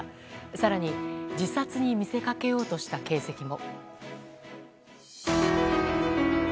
更に自殺に見せかけようとした形跡も。